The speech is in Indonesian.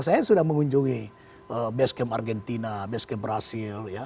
saya sudah mengunjungi base camp argentina base camp brazil